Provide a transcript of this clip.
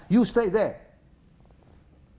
kamu tetap di sana